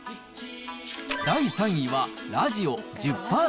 第３位はラジオ１０％。